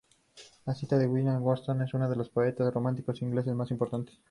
La cita es de William Wordsworth, uno de los poetas románticos ingleses más importantes.